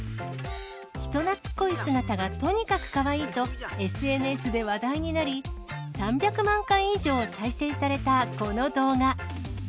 人なつっこい姿がとにかくかわいいと、ＳＮＳで話題になり、３００万回以上再生されたこの動画。